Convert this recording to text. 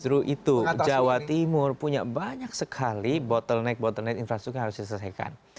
justru itu jawa timur punya banyak sekali bottleneck bottleneck infrastruktur yang harus diselesaikan